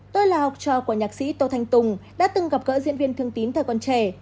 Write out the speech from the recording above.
tôi là học trò của nhạc sĩ tô thanh tùng đã từng gặp gỡ diễn viên thương tín thầy con trẻ